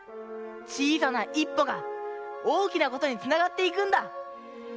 ちいさな一歩がおおきなことにつながっていくんだ！